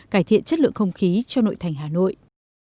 cải thiện chất lượng không khí cho nội thành hà nội